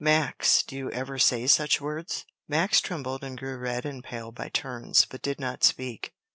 Max, do you ever say such words?" Max trembled and grew red and pale by turns, but did not speak.